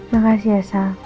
makasih ya sal